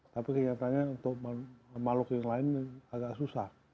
tapi keingatannya untuk makhluk yang lain agak susah